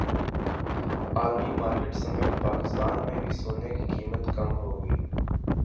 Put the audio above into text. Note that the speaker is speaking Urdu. عالمی مارکیٹ سمیت پاکستان میں بھی سونے کی قیمت کم ہوگئی